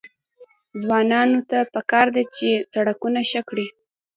ځوانانو ته پکار ده چې، سړکونه ښه کړي.